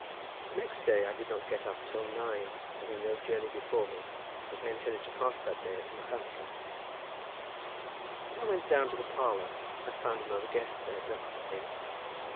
The next day I did not get up till nine, having no journey before me, as I intended to pass that day at Machynlleth. When I went down to the parlour I found another guest there, breakfasting.